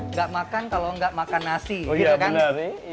nggak makan kalau nggak makan nasi oh ya bener